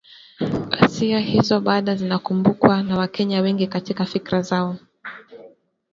“Ghasia hizo bado zinakumbukwa na Wakenya wengi katika fikra zao